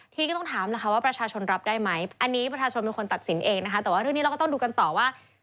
ทีนี้ก็ต้องถามแล้วค่ะว่าประชาชนรับได้ไหมอันนี้ประชาชนเป็นคนตัดสินเองนะคะแต่ว่าเรื่องนี้เราก็ต้องดูกันต่อว่า